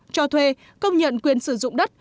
cho thuê công nhận quyền sử dụng đất